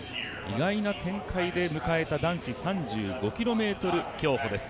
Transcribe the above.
意外な展開で迎えた男子３５ｋｍ競歩です。